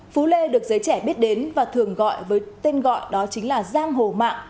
phú lê được giới trẻ biết đến và thường gọi với tên gọi đó chính là giang hồ mạng